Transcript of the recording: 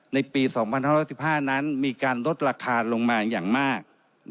ในปี๒๕๑๕นั้นมีการลดราคาลงมาอย่างมาก